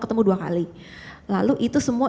ketemu dua kali lalu itu semua